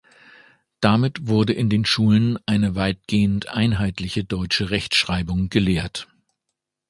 Damit wurde in den Schulen eine weitgehend einheitliche deutsche Rechtschreibung gelehrt.